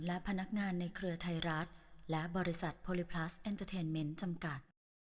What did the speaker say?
และพนักงานในเครือไทยรัฐและบริษัทโพลิพลัสเอ็นเตอร์เทนเมนต์จำกัด